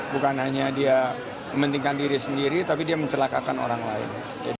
bukan hanya dia mementingkan diri sendiri tapi dia mencelakakan orang lain